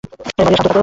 মারিয়া, শান্ত থাকো।